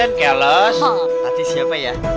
tadi siapa ya